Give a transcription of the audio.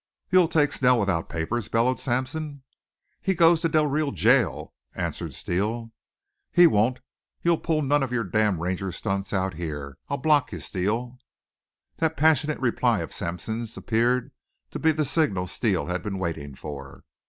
"You'll take Snell without papers?" bellowed Sampson. "He goes to Del Rio to jail," answered Steele. "He won't. You'll pull none of your damned Ranger stunts out here. I'll block you, Steele." That passionate reply of Sampson's appeared to be the signal Steele had been waiting for.